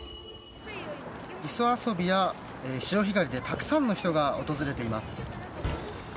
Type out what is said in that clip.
磯遊びや潮干狩りでたくさんの人が訪れています。